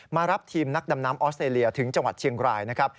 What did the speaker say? มารับทีมนักดำน้ำออสเตรเลียถึงจังหวัดเชียงรายนะครับ